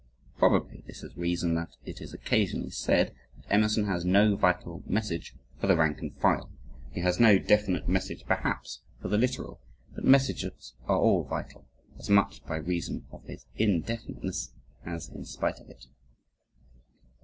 Probably this is a reason that it is occasionally said that Emerson has no vital message for the rank and file. He has no definite message perhaps for the literal, but messages are all vital, as much, by reason of his indefiniteness, as in spite of it.